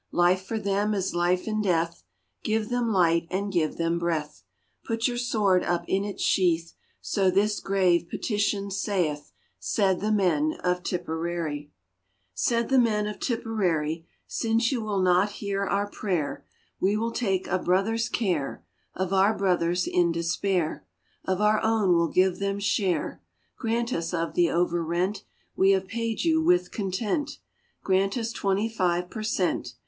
Life for them is life in death, Give them light and give them breath, Put your sword up in its sheath, So this grave petition saith," Said the men of Tipperary. 112 NEW TIPPERARY Said the men of Tipperary :" Since you will not hear our prayer, We will take a brother's care Of our brothers in despair, Of our own will give them share. Grant us of the over rent We have paid you with content, Grant us twenty five per cent.